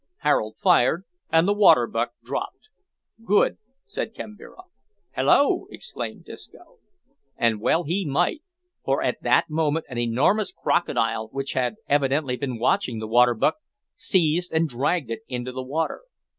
Harold fired, and the water buck dropped. "Good," said Kambira. "Hallo!" exclaimed Disco. And well he might, for at that moment an enormous crocodile, which had evidently been watching the water buck, seized and dragged it into the water.